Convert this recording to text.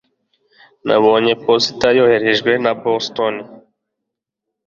Nabonye posita yoherejwe na Boston